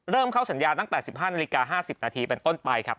เริ่มเข้าสัญญาตั้งแต่๑๕นาฬิกา๕๐นาทีเป็นต้นไปครับ